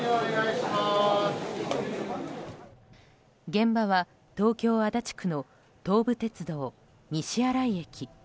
現場は東京・足立区の東武鉄道西新井駅。